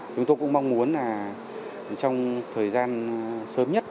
chúng tôi cũng mong muốn là trong thời gian sớm nhất